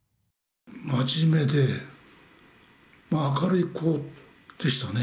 真面目で、明るい子でしたね。